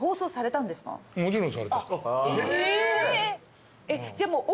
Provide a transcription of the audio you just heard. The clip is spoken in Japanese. え！